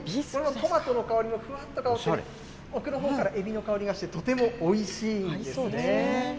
トマトの香りがふわっとして、奥のほうからエビの香りがしてとてもおいしいんですね。